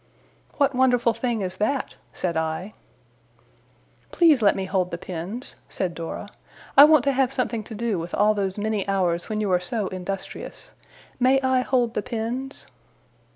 'What wonderful thing is that?' said I. 'Please let me hold the pens,' said Dora. 'I want to have something to do with all those many hours when you are so industrious. May I hold the pens?